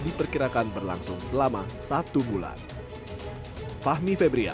diperkirakan berlangsung selama satu bulan